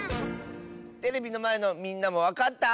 テレビのまえのみんなもわかった？